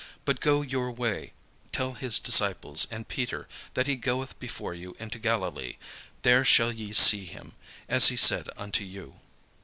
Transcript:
But go your way, tell his disciples and Peter that he goeth before you into Galilee: there shall ye see him, as he said unto you."